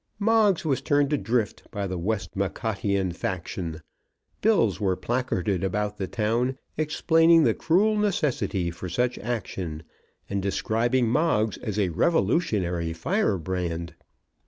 Moggs was turned adrift by the Westmacottian faction. Bills were placarded about the town explaining the cruel necessity for such action, and describing Moggs as a revolutionary firebrand.